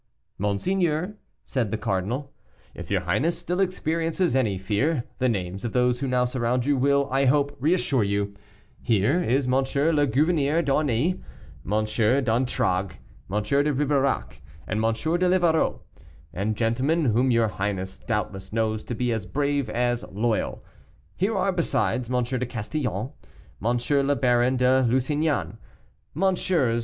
"Monseigneur," said the cardinal, "if your highness still experiences any fear, the names of those who now surround you will, I hope, reassure you. Here is M. le Gouverneur d'Aunis, M. d'Antragues, M. de Ribeirac, and M. de Livarot, and gentlemen whom your highness doubtless knows to be as brave as loyal. Here are, besides, M. de Castillon, M. le Baron de Lusignan, MM.